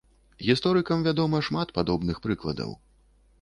Гісторыкам вядома шмат падобных прыкладаў.